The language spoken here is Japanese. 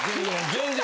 全然。